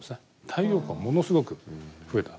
太陽光がものすごく増えた。